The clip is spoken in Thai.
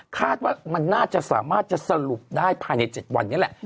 คาดว่ามันน่าจะสามารถจะสรุปได้ภายใน๗วันนี้แหละ